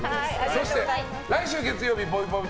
そして来週月曜日ぽいぽい